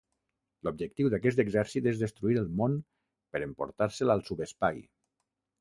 L'objectiu d'aquest exèrcit és destruir el món per emportar-se'l al subespai.